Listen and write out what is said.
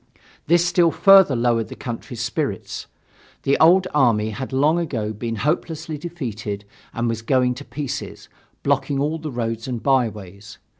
This still further lowered the country's spirits. The old army had long ago been hopelessly defeated and was going to pieces, blocking all the roads and byways.